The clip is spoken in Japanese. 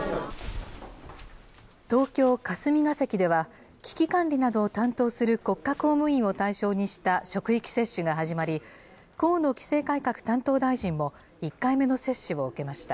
東京・霞が関では、危機管理などを担当する国家公務員を対象にした職域接種が始まり、河野規制改革担当大臣も、１回目の接種を受けました。